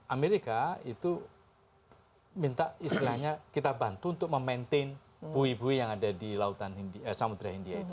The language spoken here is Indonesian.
amerika itu minta istilahnya kita bantu untuk memaintain bui bui yang ada di lautan samudera india itu